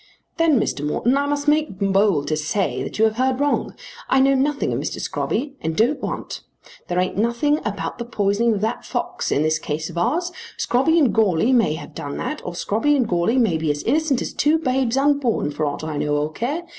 "Then, Mr. Morton, I must make bold to say that you have heard wrong. I know nothing of Mr. Scrobby and don't want. There ain't nothing about the poisoning of that fox in this case of ours. Scrobby and Goarly may have done that, or Scrobby and Goarly may be as innocent as two babes unborn for aught I know or care.